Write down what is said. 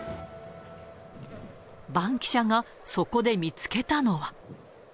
バンキシャがそこで見つけたのは。